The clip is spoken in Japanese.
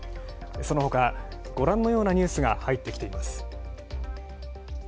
そのほか、ご覧のようなニュースが入ってきています。